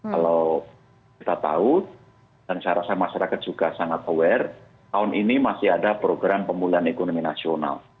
kalau kita tahu dan saya rasa masyarakat juga sangat aware tahun ini masih ada program pemulihan ekonomi nasional